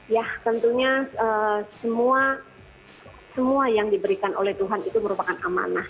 ya tentunya semua yang diberikan oleh tuhan itu merupakan amanah